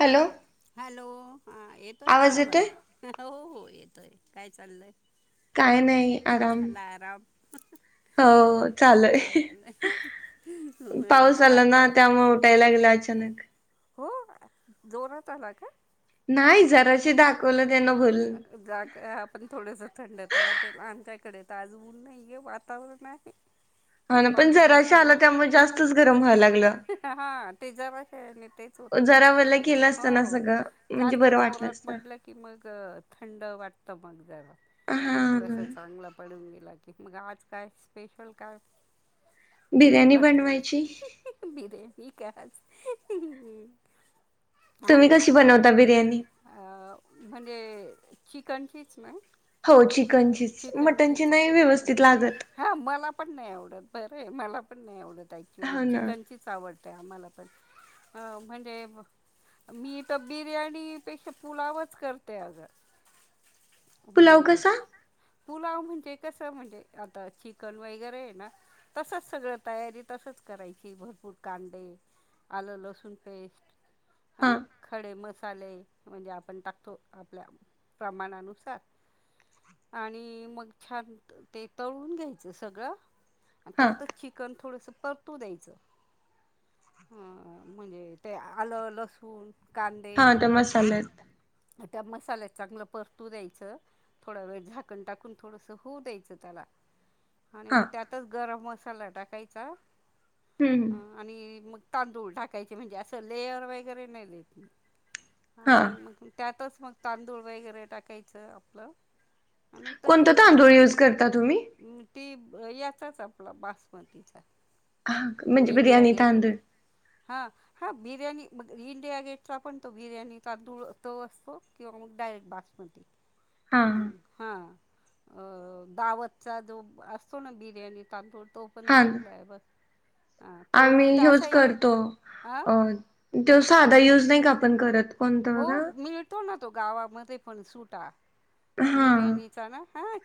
Hello. Hello, हा येतोय का आवाज? हो हो, येतोय. काय चाललय? काय नाही आराम झाला आराम. हो, चालु आराम आहे. झाला आज पाऊस आला काय ना, त्यामुळे उठायला लागलं अचानक. हो, जोरात आला का? नाही, जराशी दाखवलं त्यांना भूल. हा पण थोडंसं थंड तर वाटेल, आमच्या इकडे तर आज उन नाहीये वातावरण आहे. [inaudible] हा पण ना पाऊस बिऊस जराशी काय? आला त्यामुळे जास्तच गरम व्हायला लागलं हा ते जराशा हे नी ते होतात, जरा वला केलं असतं ना हो सगळं म्हणजे जास्तं. जास्त बरं वाटलं जोरात असतं पडलं की, मग थंड वाटतं मग जरा. हा ना. थोडसं चांगलं पडून गेला की. मग आज काय स्पेशल काय? बिर्याणी रविवार बनवायची ते. बिर्यानी का आज? तुम्ही कशी बनवता बिर्याणी. म्हणजे चिकनचीच ना? हो, चिकनचीच. मटणची चिकनचीच नाही व्यवस्थित लागत. हा, मला पण नाही आवडत. बरं आहे, मला पण नाही आवडत. ऍक्च्युली हो ना चिकनचीच आवडतंय आम्हाला पण, अ म्हणजे मी तर बिर्याणीपेक्षा, पुलावच करते अगं. पुलाव म्हणजे कसा पुलाव म्हणजे कसं म्हणजे आता चिकन वगैरे आहे ना तसंच सगळं तयारी तसंच करायची, भरपूर कांदे, आलू, लसुण पेस्ट हा हं, खडे मसाले म्हणजे आपण टाकतो आपल्या प्रमाणानुसार आणि मग छान त ते, तळून घ्यायचं सगळं. हा त्यातंच चिकन थोडंसं पर तू द्यायचं. अ म्हणजे ते आलं, लसूण हा, कांदे ते मसालेत- त्या मसाल्यात चांगलं परतू द्यायचं थोडा वेळ झाकण टाकून, थोडसं होऊ द्यायचं त्याला. आणि हा मग त्यातच गरम मसाला टाकायचा. हम् हम. आणि मग तांदूळ टाकायचे म्हणजे असं लेयर वगैरे नाही द्यायची. हा आणि मग त्यातच मग तांदूळ वगैरे टाकायचं आपलं आणि तशी कोणता तांदूळ करायची युज करता तुम्ही? ती याचाच आपला बासमतीचा. हा तो म्हणजे इंडिया बिर्याणी गेट तांदूळ वाला, हा. हां, बिर्याणी मग इंडिया गेटचा पण तो बिर्याणी तांदूळ तो असतो किंवा मग डायरेक्ट बासमती. हा हम्. हा हां, अं दावतचा जो असतो ना बिर्याणी तांदूळ तो पण हा चांगला ये बघ. आम्ही ह्योच भेटतो करतो. हां अ त्यो कोण साधा युज नाही का आपण करत कोणतं बघा- तो ना तो गावा मध्ये पण सूटा हा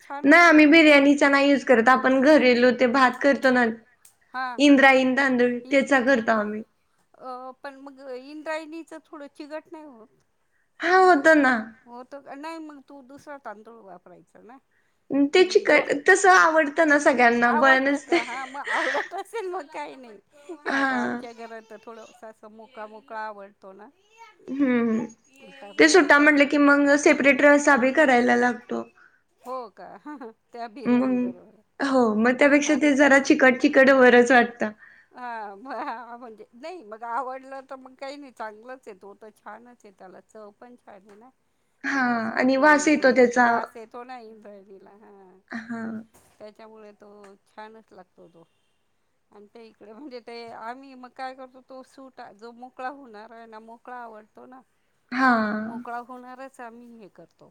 छान नाही असतो आम्ही तो तो बिर्याणीचा नाही युज करत, आपण मग घरलो ते भात कर- हां इंद्रायी तांदूळ त्याचा करतो आम्ही- अ पण मग इंद्रायणीच थोडं चिघट नाही होत. हा होतो ना. हो नाही मग तू दुसरा तांदूळ वापरायचा ना- ते कि जो चिकट तसं आवडतं ना सगळ्यांना बणच ते- तसेल मग काही नाही. आता आमच्या घरात तर थोडंसं असं मोका मोकळा आवडत- हो ना- हम्म [inaudible] ते सुट्टा म्हटलं की मंग सेपरेट रसा बी करायला लागतो. हा हा त्या- बिर्याणी बरोबर मंग हो म त्यापेक्षा हा ते जरा, चिकट चिकट बरच वाटतं. हा हा म्हणजे नाही मग आवडलं तर मग काही नाही चांगलंच आहे. तो तर छानच- ते त्याला चव पण छान ये ना हा आणि बासमध्ये वास येतो ये त्याचा बास येत- तो नाही इंद्रायणी ला हा- हा.... त्याच्यामुळे तो छानच लागतो तो. आणि ते इकडे म्हणजे ते आम्ही मग काय करतो तो सूटा आहे जो मोकळा होणारा आहे ना मग- मोकळा आवडतो ना, हा म मोकळा होणारच आम्ही हे करतो.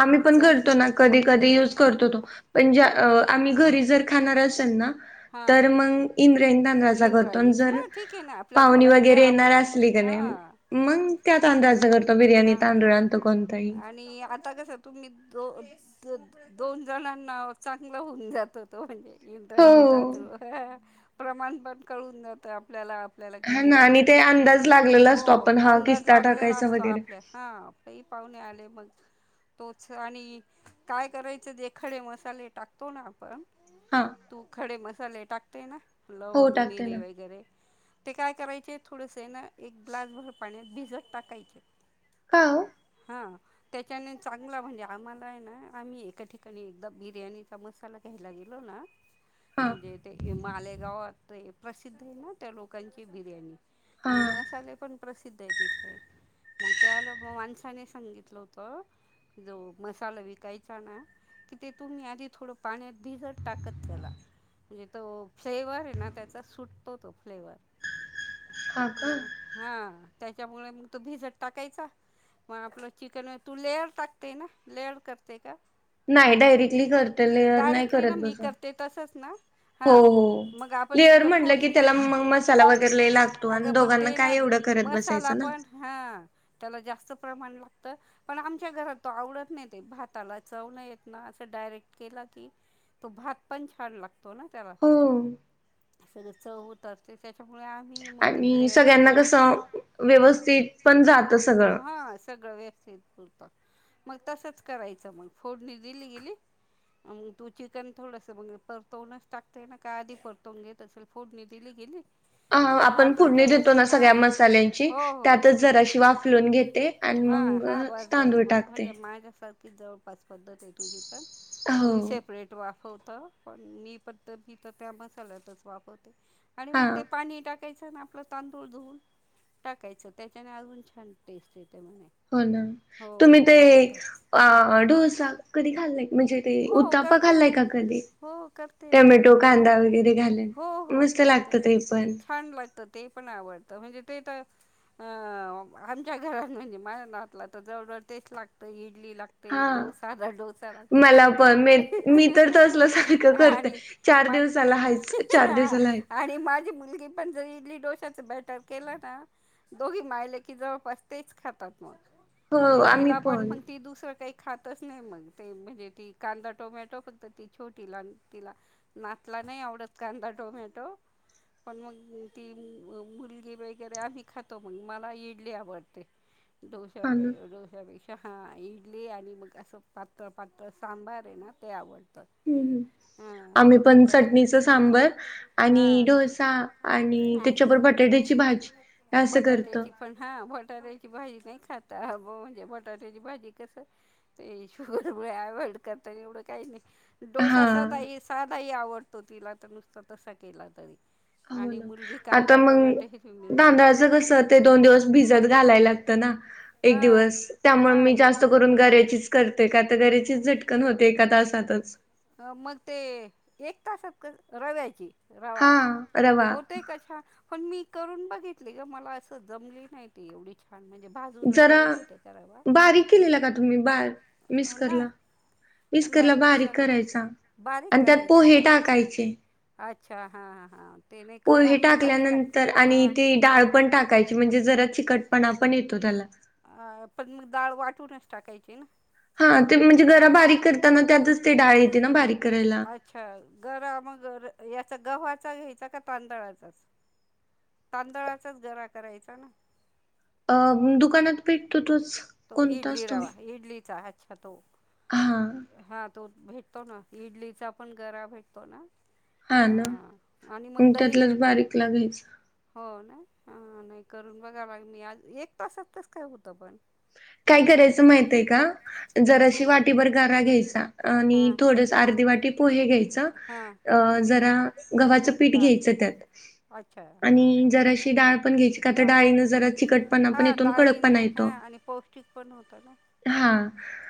आम्ही पण सहसा करतो ना कधी कधी युज करतो तो. पणजे हां अं आम्ही घरी जर खाणार असल ना हां तर मगं- इंद्रयणी तांदळाचा करतो, न इंद्रायणीचं जर हां ठीक आहे ना आपल्या पाहुणी घरात जे वगैरे येणार आवडतं असली का हां नाही- मंग त्या तांदळाच करतो बिर्याणी हां तांदूळ आणतो कोणताही. आणि- आता कसं तुम्ही दो द दोन जणांना चांगलं होऊन जात- तो म्हणजे हो इंद्रायणी तांदुळ हे हा प्रमाण पण कळून जातं आपल्याला. आपल्याला हा किती ना आणि लागतं, ते अंदाज लागलेला हो असतो आपण हा अंदाज किस्ता लागलेला टाकायचा असतो वगैरे आपल्याला- हा काई पाहुणे आले मग- तोच आणि काय करायचं जे खडे मसाले टाकतो ना आपण- हां तू खडे मसाले टाकते ना हो लवंग, टाकते मिरे, ना वगैरे. ते काय करायचे. थोडसे ना एक ग्लास भर पाण्यात भिजत टाकायचे. हा ह ह त्याच्याने चांगला म्हणजे, आम्हाला हायना आम्ही एका ठिकाणी एकदा बिर्याणीचा मसाला- घ्यायला गेलो ना. हा म्हणजे ते मालेगावात प्रसिद्ध आहे ना, त्या लोकांची बिर्याणी. हा आणि मसाले पण प्रसिद्ध आहेत तिथ- मग त्याला म माणसाने सांगितलं होतं- जो मसाला विकायचा ना- कि ते तुम्ही आधी थोडं पाण्यात भिजत टाकत चला. म्हणजे तो फ्लेवर आहे ना, त्याचा सुटतो तो फ्लेवर- हा का हा त्याच्यामुळे मग तो भिजत टाकायचा. मग आपलं चिकन तू लेअर टाकते ना लेअर करते का? नाही डायरेक्टली करते लेअर नाही डायरेक्टली ना करत मी बसत. करते तसंच ना हो हां मग आपण लेअर सगळं म्हटलं फोड की त्याला मग मसाला वगैरे लय हा लागतो अगं आणि पण दोघांना ते ना काय एवढं करत बसायच. मसाला पण हा त्याला जास्त प्रमाण लागत. पण आमच्या घरात तो आवडत नाही ते भाताला चव नाय येतना असं डायरेक्ट केला की तो भात पण छान लागतो ना त्याला हो चव होतात. तर त्याच्यामुळे आम्ही मग आणि ते सगळ्यांना लेअरवाला नाही का कसं व्यवस्थित पण जात सगळं पण हा सगळं व्यवस्थित फुलतात मग तसंच करायचं मग फोडणी दिली गेली. मग तू चिकन थोडंस मग परतवूनच टाकते ना का आधी परतवून घेत त्याचल फोडणी दिली गेली अ का आपण फोडणी भाताच्या वेळेस देतो ना हा सगळ्या मसाल्यांची हो हो हो त्यातच जराशी वाफलून घेते आणि हा मग हा बस बस तांदूळ मग टाकते म्हणजे माझ्यास सारखीच जवळपास पद्धत आहे तुझी पण हो थोडी सेपरेट वाफवतं पण मी पत्त तिथ त्या मसाल्यातच वाफवते. आणि हा मग ते पाणी टाकायचं अन आपलं तांदूळ धुवून टाकायचं त्याच्याने अजून छान टेस्ट येते म्हणे. हो ना हो तुम्ही ते हो हो अ डोसा कढी खाल्लाय. म्हणजे ते हो उत्तापा करते खाल्लाय ना का कधी हो करते ना मी टमॅटो कांदा उत्तापा वगैरे घालून हो हो मस्त करते लागतं ते पण छान लाग ते ते पण आवडतं म्हणजे ते तर अ आमच्या घरात म्हणजे माझ्या नातला तर जवळजवळ तेच लागतं इडली लाग ते हा डोसा मला तिला पण मे फक्त मी तर तसल सारखं करते आणि चार दिवसाला आहेच चार दिवसाला आहे हा ती माझी मुलगी पण जर इडली डोश्याच बॅटर केलं ना दोघी मायालेकी जवळपास तेच खातात मग हो म्हणजे आम्ही तिला पण मग ती दुसरं काही खातच नाही मग ते म्हणजे ती कांदा टोमॅटो फक्त ती छोटीला अन तिला नातला नाही आवडत कांदा टोमॅटो पण मग ती मुलगी वगैरे आम्ही खातो मग मला इडली आवडते. डोश हा ना डोश्यापेक्षा हा इडली आणि मग असं पात्तळ पातळ सांबर आहे ना ते आवडतं. हम्म हम्म हां आम्ही ते पण कर चटणीच सांबर आणि हां डोसा आणि हां त्याच्या वर बटाट्याची भाजी असं करतो. बटाट्याची पण हा बटाट्याची भाजी नाही खात हं म्हणजे बटाट्याची भाजी कसं ते शुगर अव्हाइड करता एवढं काही नाही डोसा स हा बाई साधाही आवडतो तिला तर नुसता तसा केला तरी हो आणि ना मुलगी आता कांदा टोमॅटो हिरवी मग मिरची तांदळाचं टाकून कस ते दोन दिवस भिजत घालाय लागतं ना एक हां दिवस त्यामुळ हां मी एक जास्त करून गऱ्याचीच करते का तर गऱ्याची झटकन होते एका तासातच हा मग ते एक तासात कसं रव्याची रवा हा रवा होतय का छान पण मी करून बघितली ग मला असं जमली नाही ती एवढी पण म्हणजे भाजून जरा वगैरे घेते ते रवा बारीक केलेला का तुम्ही बार बारीक नाही. मिस्करला नाही मिस्करला बारीक मिक्सरला करायचा बारीक आणि त्यात करायचा पोहे का टाकायचे. अच्छा हां हां हां ते नाही कर पोहे आणि मग दही टाक टाकल्यानंतर आणि हां ते डाळ पण टाक म्हणजे, जरा चिकटपणा पण येतो त्याला अ, पण मग, डाळ वाटूनच टाकायची ना हा ते म्हणजे, घरा बारीक करताना त्यातच ते डाळ येते ना बारीक करायला अच्छा गरा मग याचा गव्हाचा घ्यायचा का तांदळाचाच तांदळाचाच गरा करायचा ना अ,, दुकानात भेटतो तोच कोणता इडली असतो रवा इडलीचा अच्छा,, तो हा हा तो भेटतो ना, इडलीचा पण गरा भेटतो ना हा ना हा आणि मग दही त्यातलाच येत बारीकला घ्यायचा हो ना नाही, करून बघालाग मग आ एक तासातच कस काय होतं पण,, काय करायचं माहित आहे का? हां जराशी वाटीभर गारा घ्यायचा, आणि हां थोडस अर्धी वाटी पोहे घ्यायचं हां अं, जरा गव्हाचं पीठ डाळ घ्यायचं त्यात अच्छा हां आणि हां जराशी, डाळ पण घ्यायची, का तर डाळ डाळीनं जरा चिकटपणा पण येतो न कडकपणा येतो ठीक पण होतं ना हा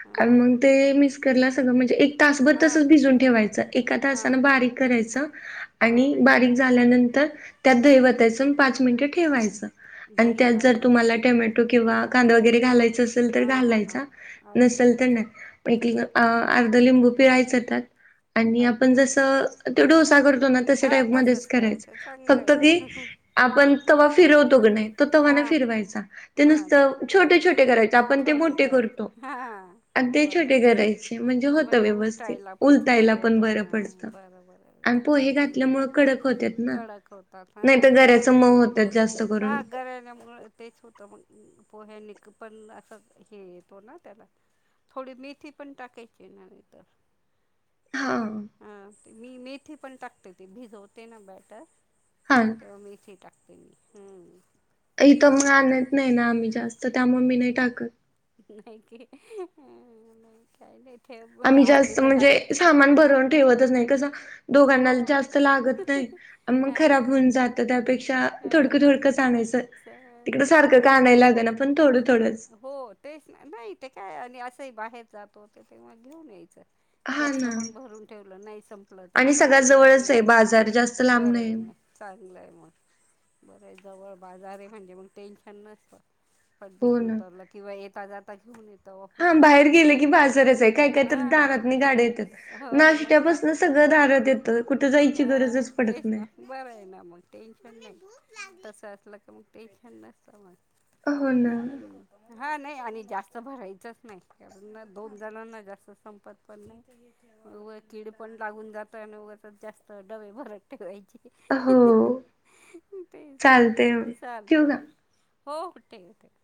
हां हां मग ते, मिसकरला सगळं म्हणजे एक तासभर हां तसच भिजून ठेवायचं, एका तासानं हां बारीक करायचं आणि हां बारीक झाल्यानंतर त्यात दही हां वतायचं पाच मिनिटं ठेवायचं आणि दही त्यात जर टाकून तुम्हाला टोमॅटो, किंवा हां कांदा, वगैरे घालायचं असेल तर हां हां घालायचं हां अच्छा नसेल तर अर्ध लिंबू पिळायचं त्यात आणि आपण अच्छा जस ते,, डोसा करतो करतो ना तसंच हां टाईप मध्ये तसंच करायच करायचं चांगलं फक्त आहे ते ना आपण तवा फिरवतो कणी नाही, तो तर तवा नाही हां फिरवायचा, ते हां नुसतं छोटे छोटे करायचे आपण ते मोठं,, करायच हा मग करायचे बरोबर, होतं म्हणजे व्यवस्थित उलटायला पण उलटायला चांगले पण होता, बरं हा पडतं. बर आणि बर पोहे करून घातल्यामुळे कडक होतात ना कडक होता नाही हा तर गऱ्याच क्रिस्पी मऊ पण येतो, होतात जास्त करून हा घराण्यामुळे तेच होतं मग पोह्यांना पण अस हे येतो ना, त्याला थोडी मेथी पण टाकायची न तर हा हा ते मी मेथी पण टाकते, ती भिजवते ना बॅटर हां तर मेथे टाकते म हम्म इथं मग तेच ना आणत नाही ना, आम्ही जास्त त्यामुळे मी नाही टाकत नाहीकी, नाही काय नाही ठेव म्हणजे आम्ही असली जास्त तर म्हणजे, टाकून देते मी सामान भरवून ठेवतच नाही कसं दोघांना हो जास्त लागत नाही, मग खराब हां होऊन जात त्यापेक्षा हा थोडकं थोडकंच आणायचं च तिकड, सारखं का आणय लाग ना पण थोडं थोडंच हो तेच नाही, ते काय आणि असंही बाहेर जातो ते तेव्हा घेऊन यायचं हा जास्त ना पण भरून ठेवलं नाही संपलं तर आणि ते सगळ्यात कीड वगैरे जवळच आहे लागते बाजार जास्त लांब बर आहे नाही मग चांगलं आहे मग, बरं जवळ बाजार आहे म्हणजे मग टेन्शन नसतं हो परदेशी ना उतरलं, किंवा येेतात जाता घेऊन येतो. हा बाहेर गेलं की बाजारच आहे, काय काय तर हा. दारात गाड्या येतात हो मग काय नाशत्यापासून सगळं दारात येतं, कुठे जायची हा गरजचं पडत तेच ना नाही. बरं आहे ना, मग टेंशन नाही. तसं असलं का मग टेंशन नसतं मग हो ना हम्म. हा नाही आणि जास्त भरायचंच नाही कारण दोन जणांना जास्त संपत पण नाही. उग कीड पण लागून जात अन उगाचच जास्त डबे भरत टिकवायची हो तेच तर चालतय ठेवू का? चालतंय-चालतंय. हो-हो ठेव-ठेव.